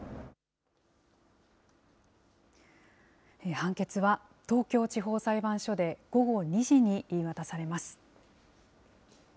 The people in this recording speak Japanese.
判決は東京地方裁判所で、午後２時に言い渡されます。